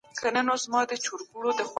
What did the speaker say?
ژوندي اوسئ درنو